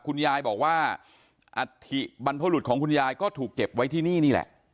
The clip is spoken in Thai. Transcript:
คุณยายบอกว่าอัฐิบรรพบรุษของคุณยายก็ถูกเก็บไว้ที่นี่นี่แหละ